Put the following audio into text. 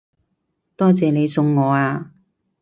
多謝你送我啊